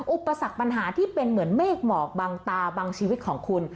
อุปสรรคปัญหาที่เป็นเหมือนเมฆหมอกบางตาบางชีวิตของคุณ